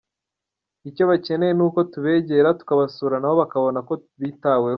Icyo bakeneye ni uko tubegera, tukabasura na bo bakabona ko bitaweho.